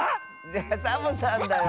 ⁉いやサボさんだよ。